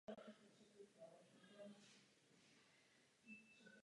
Později byla zřízena ještě zastávka Letenské náměstí.